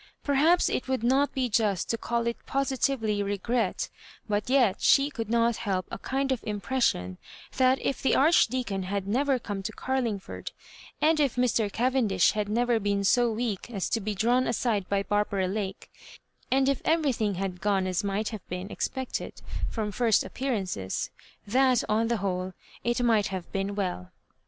Perhaps it would not be just to call it positively regret ; but yet she could not help a kind of impression that if the Archdeacon had never come to Carlingford, and if Mr. Cavendish had never been so weak as to bo drawn aside by Barbara Lake, and if every thing had gone as might have been expected from first appearances — that, on the whole, it might have been well.